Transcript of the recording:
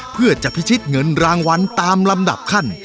เพื่อจะพิชิตเงินรางวัลตามลำดับขั้น